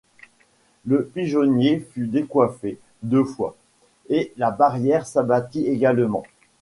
Le pigeonnier fut décoiffé deux fois, et la barrière s’abattit également.